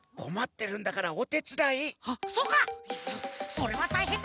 それはたいへんだ！